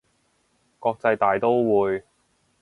國際大刀會